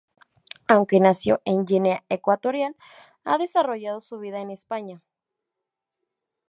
Aunque nació en Guinea Ecuatorial, ha desarrollado su vida en España.